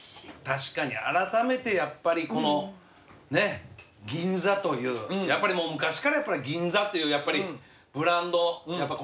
確かにあらためてやっぱりこのねっ銀座というやっぱりもう昔からやっぱり銀座というやっぱりブランドやっぱ